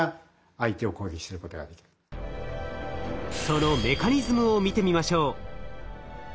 そのメカニズムを見てみましょう。